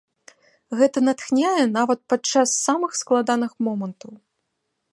Гэта натхняе нават падчас самых складаных момантаў!